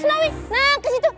nah ke situ